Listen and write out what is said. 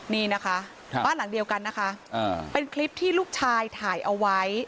นี่นะคะบ้านหลังเดียวกันนะคะเป็นคลิปที่ลูกชายถ่ายเอาไว้